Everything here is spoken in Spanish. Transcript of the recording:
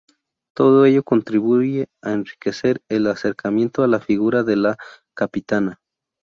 Todo ello contribuye a enriquecer el acercamiento a la figura de "La Capitana".